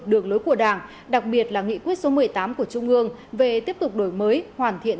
đường lối của đảng đặc biệt là nghị quyết số một mươi tám của trung ương về tiếp tục đổi mới hoàn thiện